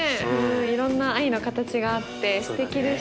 いろんな愛の形があってすてきでした。